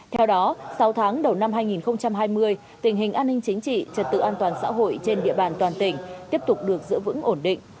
theo đó sau tháng đầu năm hai nghìn hai mươi tình hình an ninh chính trị trật tự an toàn xã hội trên địa bàn toàn tỉnh tiếp tục được giữ vững ổn định